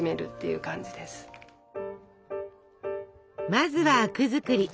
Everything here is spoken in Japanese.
まずは灰汁作り。